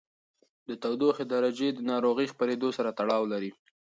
د تودوخې درجې د ناروغۍ خپرېدو سره تړاو لري.